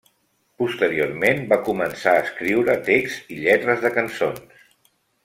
Posteriorment va començar a escriure texts i lletres de cançons.